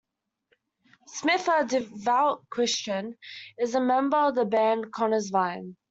Smith, a devout Christian, is a member of the band Connersvine.